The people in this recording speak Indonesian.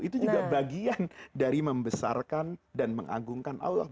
itu juga bagian dari membesarkan dan mengagungkan allah